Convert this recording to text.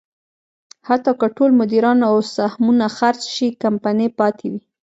حتی که ټول مدیران او سهمونه خرڅ شي، کمپنۍ پاتې وي.